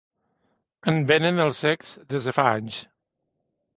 En vénen els cecs des de fa anys.